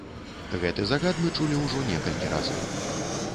Гэты загад мы чулі ўжо некалькі разоў.